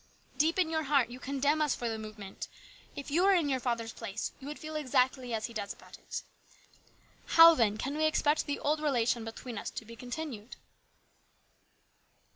Deep in your heart you condemn us for the movement. If you were in your father's place you would feel exactly as he does about it. How, then, can we expect the old relation between us to be continued